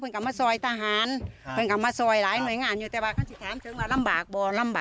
แต่ครั้งนี้ก็